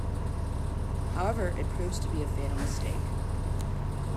However, it proves to be a fatal mistake.